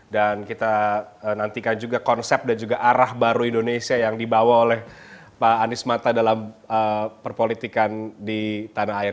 dan kita nantikan juga konsep dan juga arah baru indonesia yang dibawa oleh pak anies mata dalam perpolitikan di tanah air